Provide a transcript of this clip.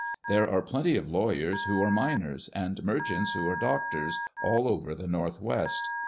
There are plenty of lawyers who are miners, and merchants who are doctors all over the North West.